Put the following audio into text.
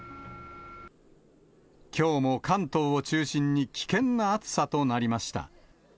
きょうも関東を中心に危険な暑さとなりました。